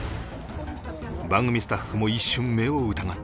番組スタッフも一瞬目を疑った